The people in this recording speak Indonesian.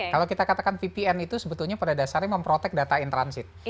kalau kita katakan vpn itu sebetulnya pada dasarnya memprotek data in transit